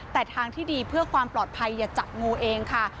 แต่ทางที่ดีเพื่อความปลอดภัยอย่าจับงูเองค่ะ